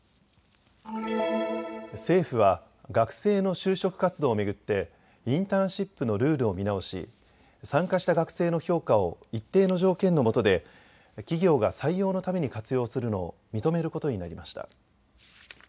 政府は学生の就職活動を巡ってインターンシップのルールを見直し参加した学生の評価を一定の条件のもとで企業が採用のために活用するのを認めることになりました。